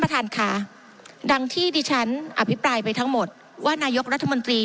ท่านค่ะดังที่ดิฉันอภิปรายไปทั้งหมดว่านายกรัฐมนตรี